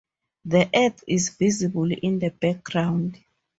The Earth is visible in the background.